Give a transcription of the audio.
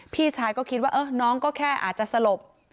พี่ชายก็คิดว่าน้องก็แค่อาจจะสลบ